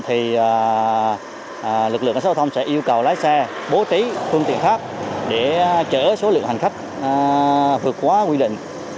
thì lực lượng xã hội thông sẽ yêu cầu lái xe bố tí phương tiện khác để chở số lượng hàng khách vượt qua quy định